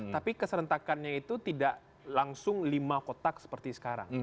tapi keserentakannya itu tidak langsung lima kotak seperti sekarang